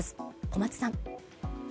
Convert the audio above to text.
小松さん。